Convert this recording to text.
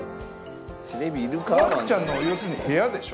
ワンちゃんの要するに部屋でしょ？